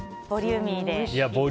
ボリューミーで。